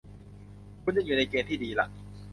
คุณยังอยู่ในเกณฑ์ที่ดีล่ะ